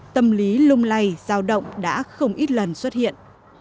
tâm lý lung lay giao động đã không ít lần xuất hiện